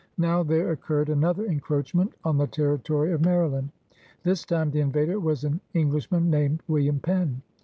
Now there occurred another encroachment on the territory of Mary land. This time the invader was an Englishman named William Penn.